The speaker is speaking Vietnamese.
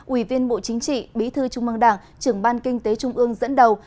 ủy viên bộ chính trị bí thư trung mương đảng trưởng ban kinh tế trung ương dẫn đầu